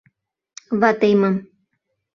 — Ватемым.